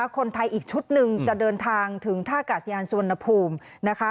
คนไทยอีกชุดหนึ่งจะเดินทางถึงท่ากาศยานสุวรรณภูมินะคะ